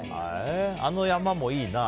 あの山もいいな。